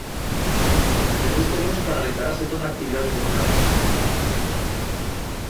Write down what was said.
Desde este luns paralizarase toda a actividade de obra pública e construción privada.